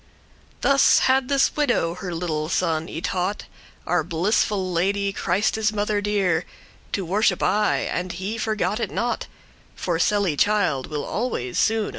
Thus had this widow her little son y taught Our blissful Lady, Christe's mother dear, To worship aye, and he forgot it not; For sely* child will always soone lear.